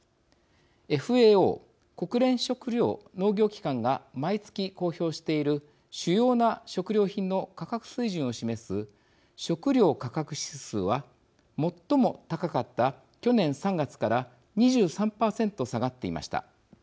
ＦＡＯ＝国連食糧農業機関が毎月公表している主要な食料品の価格水準を示す食料価格指数は最も高かった去年３月から２３％下がっていました。